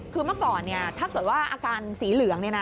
คือเมื่อก่อนถ้าเกิดว่าอาการสีเหลือง